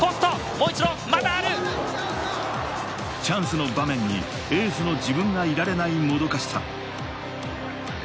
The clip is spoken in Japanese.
チャンスの場面にエースの自分がいられないもどかしさ。